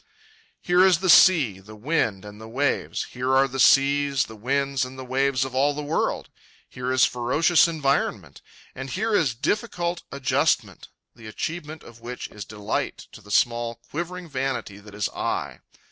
Here is the sea, the wind, and the wave. Here are the seas, the winds, and the waves of all the world. Here is ferocious environment. And here is difficult adjustment, the achievement of which is delight to the small quivering vanity that is I.